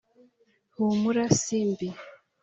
humura simbi,